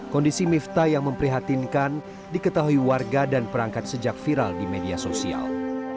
kondisi miftah yang memprihatinkan diketahui warga dan perangkat sejak viral di media sosial